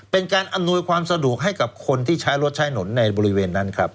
เป็นการอำนวยความสะดวกให้กับคนที่ใช้รถใช้ถนนในบริเวณนั้นครับ